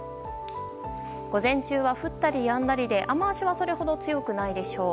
午前中は降ったりやんだりで雨脚はそれほど強くないでしょう。